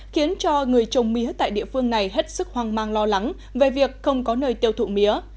khiến cho người trồng mía tại địa phương này hết sức hoang mang lo lắng về việc không có nơi tiêu thụ mía